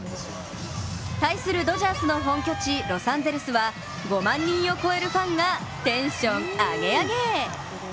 対するドジャースの本拠地・ロサンゼルスは５万人を超えるファンがテンションアゲアゲ！